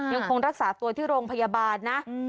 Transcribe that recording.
ยังคงรักษาตัวที่โรงพยาบาลนะ